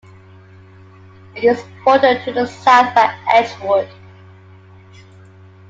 It is bordered to the south by Edgewood.